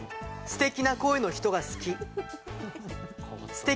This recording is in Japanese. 「すてきな声の人が好き」。